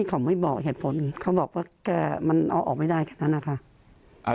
เขาไม่บอกเหตุผลเขาบอกว่าแกมันเอาออกไม่ได้แค่นั้นนะคะ